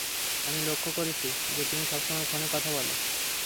আমি লক্ষ্য করছি যে তুমি সবসময় ফোনে কথা বলো।